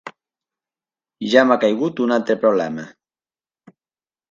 Ja m'ha caigut un altre problema.